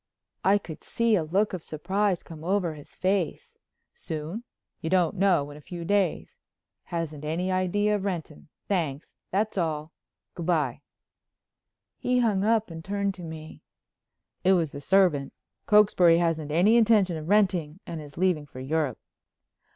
I could see a look of surprise come over his face. "Soon? You don't know—in a few days. Hasn't any idea of renting. Thanks. That's all—good bye." He hung up and turned to me: "It was the servant. Cokesbury hasn't any intention of renting and is leaving for Europe."